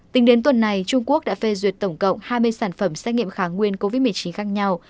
tính đến tuần này trung quốc đã phê duyệt tổng cộng hai mươi sản phẩm xét nghiệm kháng nguyên covid một mươi chín khác nhau